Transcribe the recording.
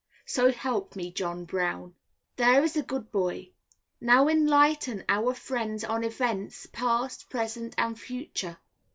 So help me John Brown. There is a good boy, now let us enlighten our friends on events, past, present, and future.